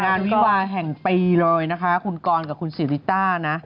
วิวาแห่งปีเลยนะคะคุณกรกับคุณสิริต้านะ